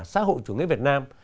xã hội chủ nghĩa việt nam